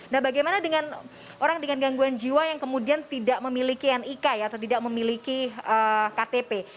nah bagaimana dengan orang dengan gangguan jiwa yang kemudian tidak memiliki nik atau tidak memiliki ktp